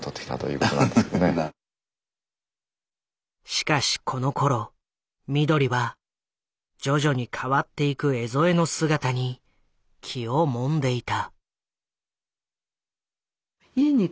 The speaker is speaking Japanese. しかしこのころ碧は徐々に変わっていく江副の姿に気をもんでいた。